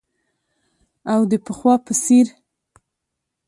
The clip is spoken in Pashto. او د پخوا په څیر